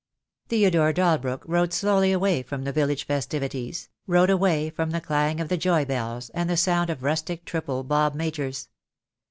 Theodore Dalbrook rode slowiy awray from the village festivities, rode away from the clang of the joy bells, and the sound of rustic triple bob majors.